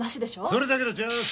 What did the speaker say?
それだけとちゃう！